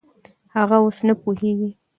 هغه اوس نه پوهېږي.